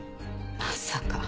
まさか。